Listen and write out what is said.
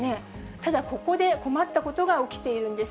ただ、ここで困ったことが起きているんです。